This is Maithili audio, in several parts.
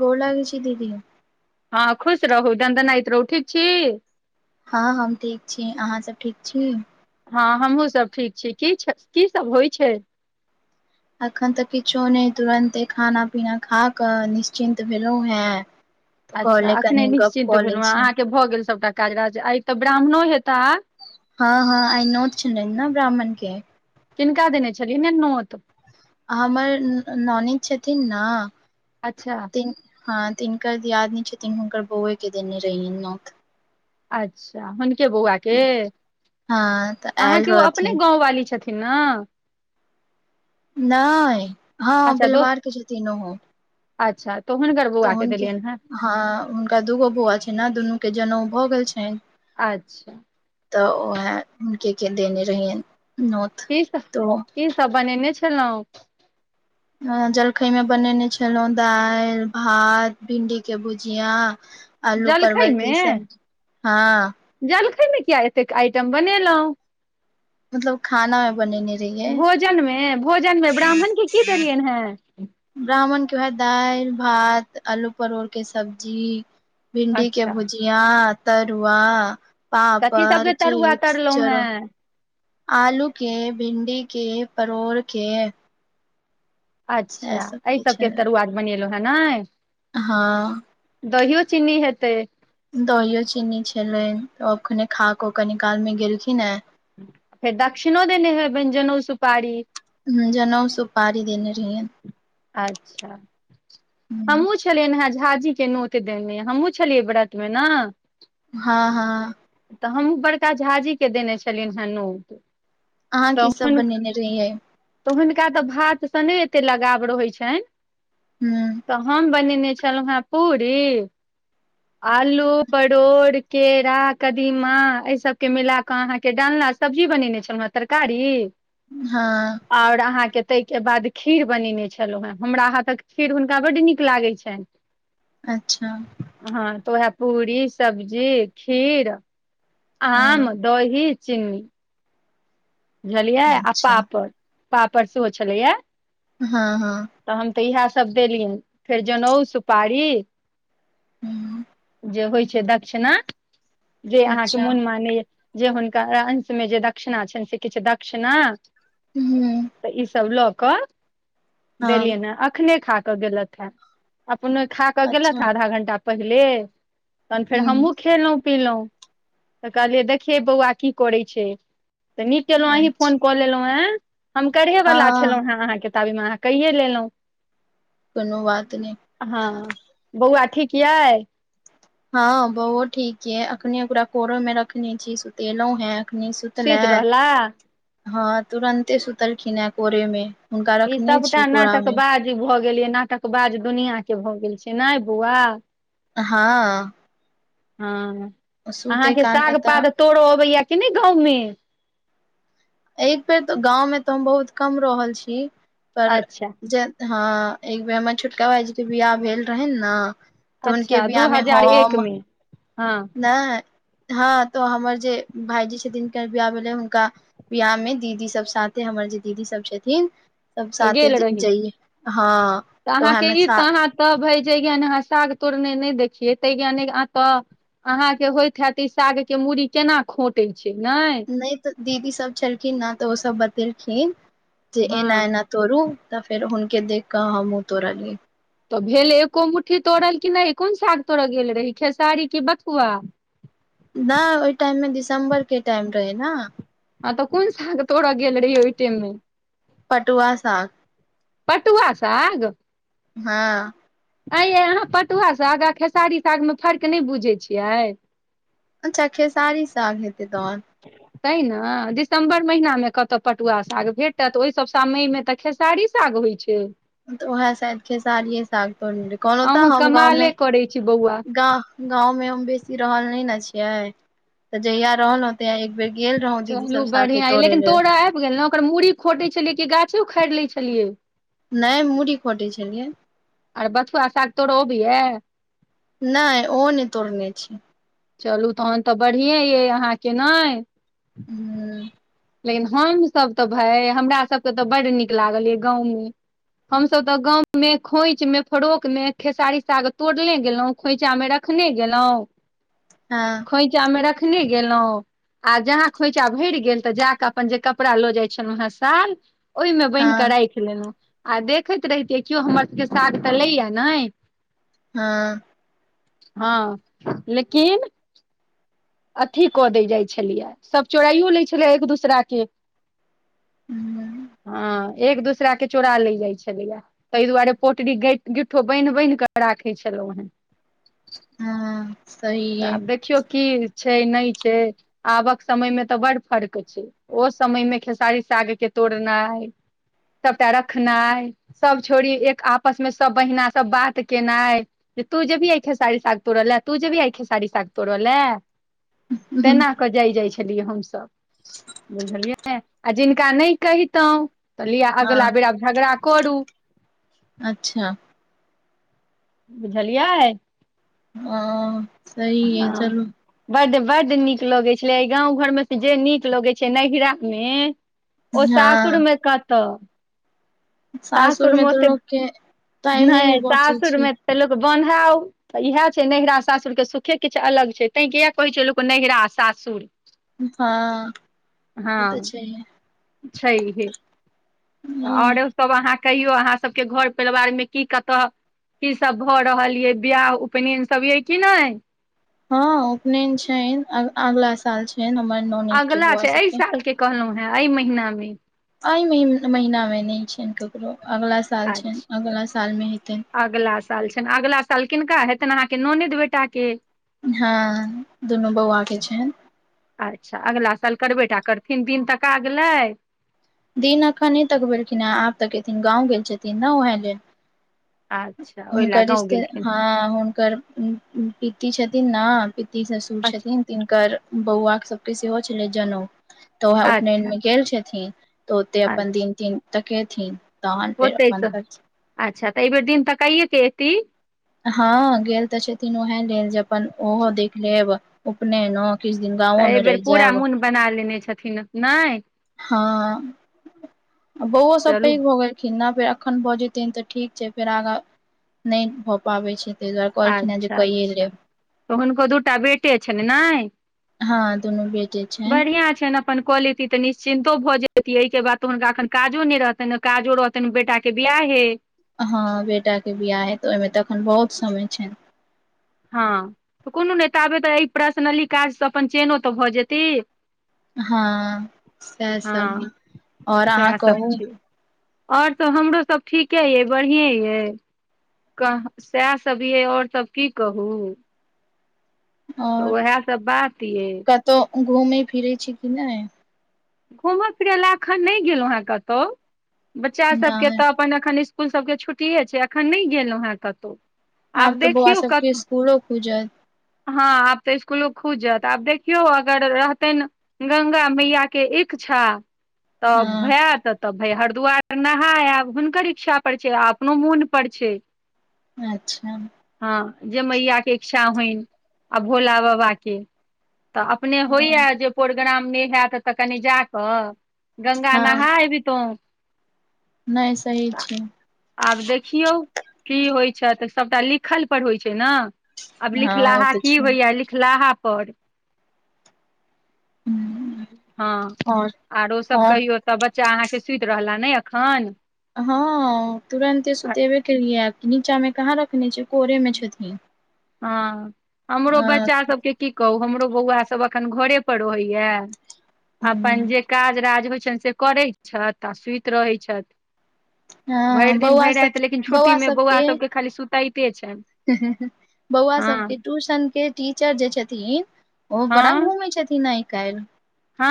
गोर लगई छी दीदी हँ खुश रहू दन्दनाइत रहू ठीक छी हँ हम ठीक छी अहाँसभ ठीक छी हँ हमहुँ सभ ठीक छी की की सब होइ छै अखन तऽ किछो नइ तुरन्ते खाना पीना खा कऽ निश्चिन्त भेलहु हे अच्छा अखने निश्चिन्त लै भेलहुँ हँ छी अहाँके भऽ गेल सभटा काज राज आय तऽ ब्राह्मणो हेताह हँ हँ आई नोत छै न ब्राह्मण के किनका देने छलियै ने नोत हमर ननेद छथिन न अच्छा तिन हँ तिनकर दियादनी छथिन हुनकर बौए के देने रहियन नौत अच्छा हुनके बौआ के हँ तऽ आयल अहाँके ओ अपने रहथिन गाँंवाली छथिन ना नहि हँ अच्छा दोस्त बिलवार के छथिन ओहो अच्छा तो हुनकर तऽ बौआ के हुनके देलियनि हेँ हँ हुनका दूगो बौआ छनि न दुनू के जनऊ भऽ गेल छैन अच्छा तऽ उएह हुनके के देने रहियैन की कीसभ बनेने छलहुँ जलखै मे बनेने छलहुँं दालि भात भिंडी के भुजिया आलू जलखै परवलके मे सबजी हँ जलखै मे किया एतेक आइटम बनेलहुँ मतलब खाना मे बनेने रहियै भोजनमे भोजनमे ब्राह्मण के की देलियैन हे ब्राह्मणके उएह दालि भात आलू परोड़के सब्जी भिन्डी के अच्छा भुजिया तरुआ कथी पापड़ सबके तरुआ चिप्स तरलहुं चरो हेँ आलू के भिण्डी के परोड़ के सएह अच्छा एहि सबके छलै तरुआ बनेलहुँ हेँ नै हँ दहियो चीन्नी हेतै दहियो चीनी छलो अखने खा कऽ कनी काल मे गेलखिन हे फेर दक्षिणो देने हबैन जनऊ सुपारी हुँ जनऊ सुपारी देने रहियेन अच्छा हमहूँ छलियैन हेँ झाजी के नोत देने हमहुँ छलियै व्रत मे न हँ हँ तऽ हमहूँ बड़का झाँजी के देने छलियेन हेँ नोत अहाँ तऽ की सब बनेने रहियै तऽ हुनका तऽ भात सँ नय एतेक लगाव रहै छैन हूँ तऽ हम बनेने छलहुँ हेँ पूरी आलू परोड़ केरा कदीमा एहि सबके मिला अहाँके डालना सब्जी बनेने छलहुँ हेँ तरकारी हँ और अहाँ के ताहि के बाद खीर बनेने छै हु हँ हमरा हाँ तक फेर हुनका बड्ड नीक लागैत छनि अच्छा हँ तऽ उएह पूरी सब्जी खीर आम हँ दही चिन्नी बुझलियै आ अच्छा पापड़ पापड़ सेहो छलैया हँ हँ तऽ हम तऽ इएह सभ देलियनि फेर जनउ सुपारी हूँ जे होइ छै दक्षिणा जे अहाँके अच्छा मोन मानैया जे हुनकर अंश मे जे दक्षिणा छनि से किछ दक्षिणा हूँ तऽ ई सब लऽ कऽ हँ देलियै ने अखेनै खा कऽ गेलत अपने खा कऽ अच्छा गेलथि हेँ आधा घंटा पहिले तहन फेर हूँ हमहूँ खेलहुँ पीलहुँ तऽ कहलियै देखिये बौआ की करै छै तऽ नीक केलहुँ अहीँ अच्छा फोन कऽ लेलहुँ है हम करहे‌ वला हँ छलहुँ है अहाँके तबेमे अहाँ कहिये लेलहुँ कोनो बात नहे हँ बौआ ठीक यइ हँ बओ ठीक यै अखने ओकरा कोरो में रखने छी सुतेलों है अखनी सुतल सुति हे रहला हँ तुरन्ते सुतलखिन हे कोरेमे ई सबटा नाटक बाज भऽ गेल ये नाटक बाज दुनिया के भए गेल छै ने बौआ हँ हँ सुते अहाँके काल मे साग पात तऽ तोड़ो अबैया कि नहि गाँवमे एक बेेर तऽ गाँवमे तऽ हम बहुत कम रहल छि पर अच्छा जे हँ एक बेेर हमर छोटका भाईजी के बियाह भेल रहै ने तऽ हुनके अच्छा दू बियाहमे हजार एक हम मे हँ नहि हँ तअ हमर जे भाईजी छथिन काल्हि बियाह भेलै हुनका बियाह मे दीदी सब साथे हमर जे दीदी सब छथिन सब तऽ साथे गेल रही जइए हँ तो उहै मे तब भाय जे जान अहाँ साग तोड़ने नहि देखियैतै नेहियाक आ तऽ अहां के होइत हैत ई साग के मूड़ी केना खोंटे छै ने नहि तऽ दीदी सब छलखिन न तऽ ओ सब बतेलखिन जे एना हँ एना तोड़ू तऽ फेर हुनके देख कऽ हमहु तोड़लियै तऽ भेल एको मुठ्ठी तोड़ल कि नहि कोन साग तोड़य गेल रही खेसारी की बथुआ नै ओइ टाइम मे दिसम्बर के टाइम रहै ने आ त कोन साग तोड़ गेल‌ रहिये ओ टेम में पटुआ साग पटुआ सााग हँ अँ यइ अहाँ पटुआ साग आ खेसारी सागमे फर्क नहि बुझैत छियै अच्छा खेसारी साग हेतै तहन त ने दिसम्बर महिनामे कतहु पटुआ साग भेटत ओहि सभ समय में तऽ खेत खैसारी साग होइ छै तऽ उहै शायद खेसारीे साग त कोन होता अहूँ हम गाँवमे कमाले करै छी बौआ ग गाँंवमें हम बेसी रहल नहि ने छियै तऽ जहिया रहल होतैया बेर गेले रहो चलू बढ़िया य लेकिन तोरअ आबि गेल ने ओकर मुर खोटे छलियै कि गाछै उखाड़ि लय छलियै नै मूड़ी खोटै छलियै और बथुआ साग तोरो आबैय नहि ओ नै तोरने छिये चलू तहन तऽ बढ़िए यइ अहाँके नै हू लेकिन हम सब तऽ भाय हमरा सबके तऽ बड नीक लागल यै गाँंव मे हम सब तऽ गांव में खोंच में फरोक में खेसारी साग तोड़ले गेलों खोइछामें रखने गेलऊं त खोंइछा मे रखने गेलहुँं आ जहाँ खोंइछा भरि गेल तऽ जाक अपन जे कपड़ा लऽ जाय छलहुं हे साल ओहिमे बान्हि के हँ राख आ देखैत रहितियै केओ हमर साग तऽ लैया नै हँ हँ लेकिन अथी कऽ दै जाइ छलैया सभ चोराइयो लै छलै एक दोसराके हू हँ एक दूसरा के चोरा लै जाइ छलैया तै दुआरे पोटरी गइठ गिट्ठो बान्हि बान्हि कऽ राखै छलहुँ हे हँ सही तऽ आब देखियौ की छै नै छै आबक समय मे तऽ बड़ फर्क छै ओ समय मे खेसारी साग के तोड़नाइ सभटा रखनाइ सब छोड़ी एक आपस मे सब बहिना सब बात केनाइ जे तू जेभी आऐे खेसाड़ी साग तोड़लै तू जे भी आऐ खेसाड़ी साग तोड़ेलै ये तेना क जाइ जाइ छलियै हमसभ बुझलियै आ जिनका नहि कहितहुं तऽ लिय अगिला हँ बेर आब झगड़ा करू अच्छा बुझलियै हां हँ बड बड नीक लगै छलै गाँव घर मे तो जे नीक लगै छै नैहिरा में ओ सासुर हँ मे कतऽ सासुर मे तऽ ओते लोक के नै टाइमे नहि बचै छै सासुरमे तऽ लोक बन्हाउ तऽ इहै छै नैहरा सासुर के सुखे किछु अलग छै तैं किया कहै छै लोक नैहरा आ सासुर हँ ओ तऽ छैहे छै हे तऽ आओरो सभ अहाँ कहियौ अहाँ सभके घर परिवार में की कतऽ की सब भऽ रहल यै बियाह उपनयन सब ये की नै हँ उपनैन छैन अग अगिला साल छै हमर ननैद के बौउआ सबके कहलहुॅं हेँ ऐ महीना मे ऐ म महीनामे नै छनि ककरो अगिला साल छनि अगिला सालमे हेतनि अगिला साल छनि अगिला साल किनका हेतनि अहाँके ननैद बेटा के हँ दुनू बौउआ के छनि अच्छा अगिला साल करबै टा करथिन दिन तका गेलै दिन अखन नै तकबेलखिन हे आब तऽकेथिन गाँव गेल छथिन न उहै लेल अच्छा ओहि लए हुनकर गाँव रिश्ते गेलखिन हँ हुनकर पित्ति छथिन न पिति ससुर अच्छा छथिन तिनकर बौआ सबके सेहो छलै जनेउ तऽ वएह अच्छा उपनयन मे गेल छथिन त ओते अपन दिन तीन तकेथिन तहन फेर ओते अपन त् अच्छा तऽ एहि बेेर दिन तकाइए के एती हँ गेल तऽ छथिन उएह लेल जे अपन ओहो देख लेब उपनयनो किछ दिन तऽ गाँंवो मे एहिबेर रहि पूरा जायब मोन बना लेने छथिन नै हँ बौओ सब चलू पैघ भो गेलै केना फेर अखन भऽ जेतन तऽ ठीक छै फेर आगाँ नहि भऽ पाबै छै ताहि दुआरे कहलखिन जे अच्छा कइये अच्छा लेब तऽ हुनको दूटा बेटे छनि ने हँ दुनू बेटे छनि बढ़िया छनि अपन कऽ लेती तऽ निश्चितो भऽ जेती एहि के बाद तऽ हुनका एखन काजो नहि रहतनि काजो रह तनि बेटाके बियाहे हँ बेटाके बियाह हेत तऽ ओहिमे तऽ एखन बहुत समय छनि हँ तऽ कोनो नहि ताबै तऽ एहि पर्सनली काजसँ अपन चेनो तऽ भऽ जेती हँ सएह सब हँ आओर अहाँ सएह सब कहू छै आओर सब हमरो सब ठीके अइ बढ़िया अइ कह सएह सब यै आओर सब की कहू तऽ ओएह सब बात अइ तऽ घुमै फिरै छी कि नय घूमय फिरय लए एखन नहि गेलहुँ हेँ कतहु बच्चा सभके नहि तऽ अपन एखन इसकुल सबके के छुट्टे छै अखन नहि गेलहुँ हेँ कतहु आब तऽ बौआ देखियौ सब के कत स्कूलो खुजत हँ आब तऽ इसकुलो खुजत आब देखियौ अगर रहतै गंगा मैया के इच्छा त हँ भैयत तब भाय हरिद्वार में नहाय आब हुनकर इच्छा पर छै आ अपनो मोन पर छै अच्छा हँ जे मैया के इच्छा होइन आ भोला बाबाके तऽ अपने होइया हँ जे प्रोग्राम नहि हयत तऽ कनि जा कऽ गंगा नहा हँ एबी तो नहि सही छै आब देखियौ की होइ छै सभटा लिखल पर होइ छै ने आब हँ ओ लिखलाहा त की छै होइया लिखलाहा पर हूँ हँ और आरो सब और कहियौ त बच्चा अहाँ के सुत रहला ने एखन हँ तुरनंते सुतेबे केलियै नीचा मे कहाँ रखने छ कोरे में छथिन हँ हमरो अ बच्चासभके की कहू हमरो बौआसभ एखन घरेपर रहैए अपन जे काज राज होइ छनि से करैत छथि आ सुति रहैत छथि भरि हँ दिन बौआ भरि रति सब लेकिन छुट्टी मे बौआ सबके सभके खाली सुताते छनि बौआ हँ सबके ट्यूशन के टीचर जे छथिन ओ बड़ा हँ घूमै छथिन आइ काल्हि हँ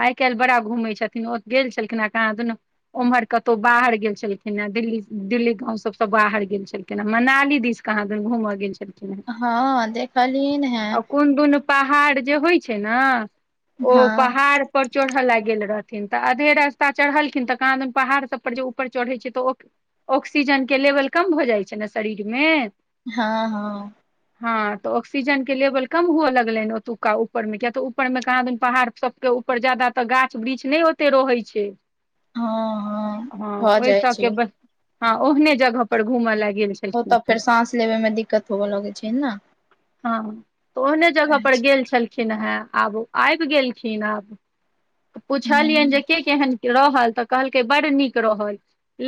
आई काल्हि बड़ा घूमै छथिन ओ गेल छलखिन आ कहाँ दुनू उम्हर कतहु बाहर गेल छलखिन हे दिल्ली दिल्ली गाँव सबसँ बाहर गेल छलखिन केना मनाली दिस केा घूम गेल छलखिन हेँ हँ देखलिन आ हैं कोन दुनू पहाड़ जे होइ छै ने ओ हँ पहाड़ ऊपर चढ़य ल गेल रहथिन त अधे रास्ता चढ़लखिन त क पहाड़ सभ पर जे ऊपर चढ़ै छै त ओ ऑक्सीजन के लेवल कम भऽ जाइ छै ने शरीरमे हँ हँ हँ त ऑक्सीजन के लेवल कम हुए लगले ओतुका ऊपर मे किया त ऊपर में के आदमी पहाड़ सबके ऊपर जादा त गाछ वृक्ष न ओते रहै छै हँ हँ भऽ ओह जाइ छै सबके ब हँ ओहने जगह पर घूमे ल गेल छे ओ त फेर साँस लेबै मे दिक्कत होबे लागै छै ने हँ त ओहने जगह ह पर गेल छलखिन खिन हे आब आबि गेलखिन आब त पुछलियनि जे के केहन रहल तऽ कहलकै बड़ नीक रहैय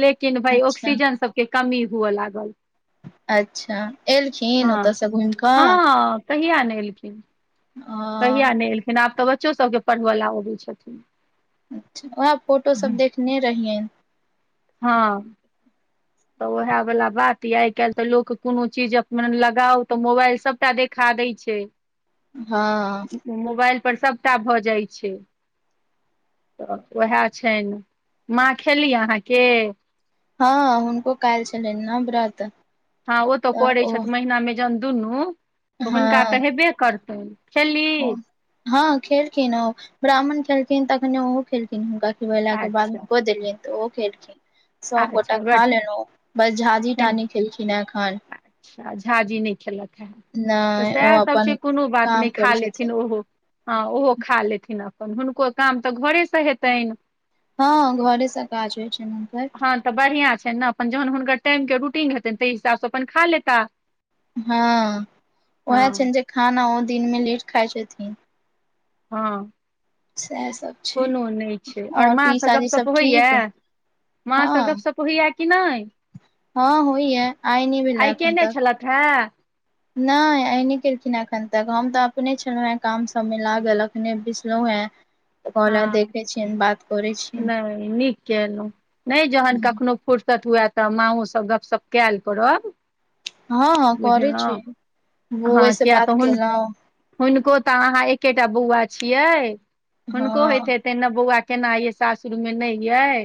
लेकिन भाय अच्छा ऑक्सीजन सब के कमी हुआ लागल अच्छा एलखिन हँ ओतऽ सँ घुइम कऽ हँ कहिया नइ एलखिन कहिया नहि एलखिन आब तऽ बच्चो सबके पढ़ब लेल अबै छथिन अच्छा वैह फोटो सब देखने रहियैन हँ त वहैय वला बात य आइ काल्हि त लोक कोनो चीज लगाउ तऽ मोबाइल सभ टा देखा दैय छै हँ मोबाइल पर सभटा भऽ जाइ छै तऽ उएह छैन माँ खेली अहाँके हँ हुनको काइल छलैन न व्रत हँ ओ त तऽ करैत ओ छथि महिना मे जहन दुनू त हुनका त हेबे करतेन ओ हँ खेलखिन ब्राह्मण खेलथिन तखने ओहो खेलखिन हुनका खुएला के बाद अच्छा हुनको देलियैन तऽ ओ खेलखिन सब गोटा अच्छा बड़ खा लेलौ बस झाजी टा नहि खेलखिन ह एखन अच्छा झाझी नै खेलक है तऽ नहि ओ सेह सभ अपन छै कोनो बात काम नइ करै खा छथिन लेथिन ओहो हँ ओहो खा लेथिन अपन हुनको काम त घरे सँ हेतैन हँ घरेसँ काज होइ छैन हुनकर हँ त बढ़िया छै न अपन जहन हुनकर टाइम के रूटीन हेते ताहि हिसाब सँ अपन खा लेता हँ उहै हँ छैन जे खाना ओ दिन मे लेट खाइ छथिन हँ सएह सब छै कोनो नहि छै और माँ सँ पीसाजी सब गपशप होइ ठीक यऽ माँ सँ हँ गपशप होइ य कि नइ हँ होए य आइ नइ भेले अखन केने तक छलथि [inaudible] नाइ आय नइ केलखिन अखन तक हम त अपने छलहुंँ है काम सब मे लागल अखने बिसलो है ह कहलनि देखै छियनि बात करै छियनि नहि नीक कलहुँ नहि जहन कखनो फुुरसत हुए त माँओ सँ गपशप कायल कड़ब हँ हँ करैत छी बौए हँ सँ किया बात तऽ हुन केलौह हुनको तऽ अहाँ एकेटा बौआ छियै हुनको हँ होेत हेते नऽ बौआ केना य सासुर मे नै अइ